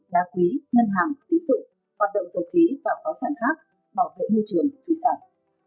đá quý ngân hàng tín dụng hoạt động sầu khí và kho sản khác bảo vệ môi trường thủ sản